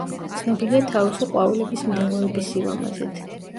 ცნობილია თავისი ყვავილების მდელოების სილამაზით.